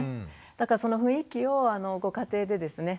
だからその雰囲気をご家庭でですね